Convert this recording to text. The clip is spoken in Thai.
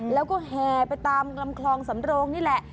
แล้วก็แห่ไปตามลำคลองสำโรงนี่แหละ